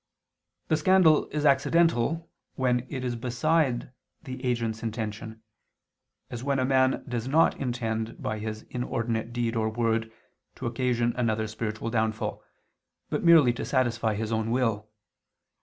The scandal is accidental when it is beside the agent's intention, as when a man does not intend, by his inordinate deed or word, to occasion another's spiritual downfall, but merely to satisfy his own will.